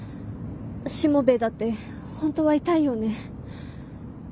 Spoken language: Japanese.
しもべえだって本当は痛いよね？